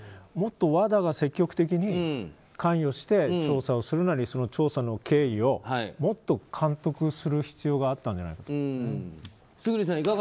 もっとＷＡＤＡが積極的に関与して調査をするなり調査の経緯をもっと監督する必要があったんじゃないですかね。